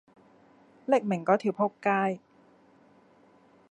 匿名嗰條僕街